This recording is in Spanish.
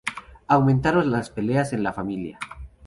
Aumentaron las peleas en la familia.